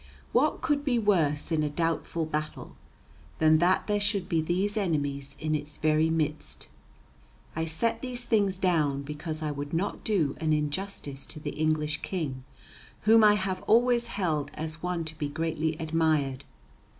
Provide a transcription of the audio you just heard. What could be worse in a doubtful battle than that there should be these enemies in its very midst? I set these things down because I would not do an injustice to the English King, whom I have always held as one to be greatly admired.